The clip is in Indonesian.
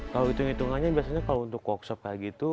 kalau hitung hitungannya biasanya kalau untuk workshop kayak gitu